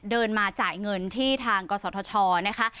เดินมาจ่ายเงินที่ทางกศธชนะคะ